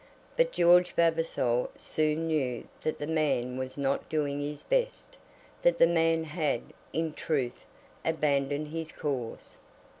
But George Vavasor soon knew that the man was not doing his best, that the man had, in truth, abandoned his cause.